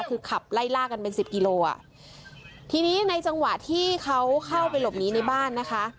คือขับไล่ล่ากันเป็นสิบกิโลอ่ะทีนี้ในจังหวะที่เขาเข้าไปหลบหนีในบ้านนะคะ